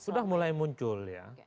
sudah mulai muncul ya